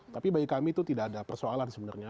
tapi bagi kami itu tidak ada persoalan sebenarnya